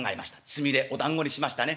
つみれおだんごにしましたね。